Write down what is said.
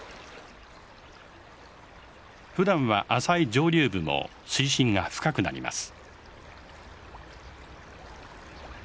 ふだんは浅い上流部も水深が深くなります。